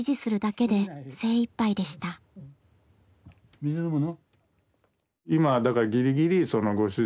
水飲むの？